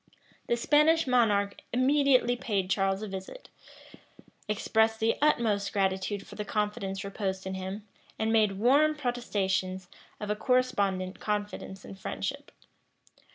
The Spanish monarch immediately paid Charles a visit, expressed the utmost gratitude for the confidence reposed in him, and made warm protestations of a correspondent confidence and friendship.